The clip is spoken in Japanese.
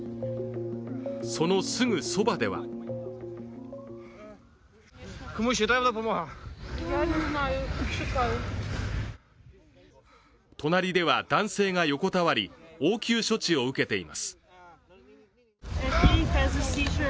そのすぐそばでは隣では男性が横たわり、応急処置を受けています。